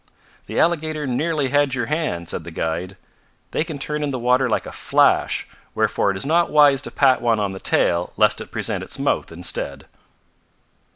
"The alligator nearly had your hand," said the guide. "They can turn in the water like a flash, wherefore it is not wise to pat one on the tail lest it present its mouth instead."